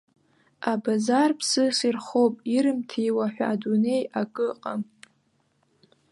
Абазар ԥсыс ирхоуп, ирымҭиуа ҳәа адунеи акы ыҟам.